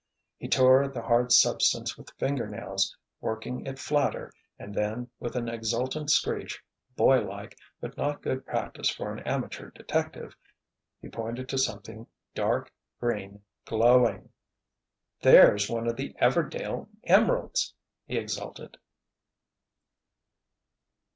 He tore at the hard substance with finger nails, working it flatter, and then, with an exultant screech, boy like but not good practice for an amateur detective, he pointed to something dark, green, glowing. "There's one of the Everdail Emeralds!" he exulted.